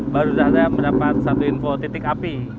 baru saya mendapat satu info titik api